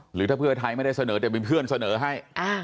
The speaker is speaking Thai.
หรือถ้าเพื่อไทยไม่ได้เสนอแต่เป็นเพื่อนเสนอให้